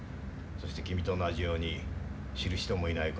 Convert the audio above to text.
そして君と同じように知る人もいない